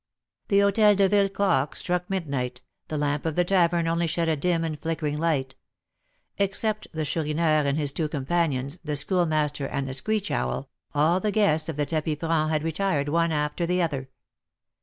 The Hotel de Ville clock struck midnight; the lamp of the tavern only shed a dim and flickering light. Except the Chourineur and his two companions, the Schoolmaster, and the Screech owl, all the guests of the tapis franc had retired one after the other.